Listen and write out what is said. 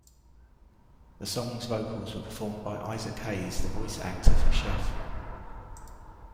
The song's vocals were performed by Isaac Hayes, the voice actor for Chef.